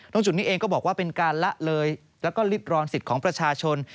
จุดนี้เองก็บอกว่าเป็นการละเลยแล้วก็ริดรอนสิทธิ์ของประชาชน